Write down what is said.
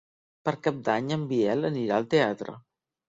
Per Cap d'Any en Biel anirà al teatre.